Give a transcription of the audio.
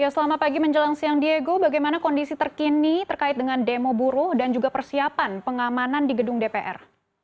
selamat pagi menjelang siang diego bagaimana kondisi terkini terkait dengan demo buruh dan juga persiapan pengamanan di gedung dpr